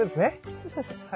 そうそうそうそう。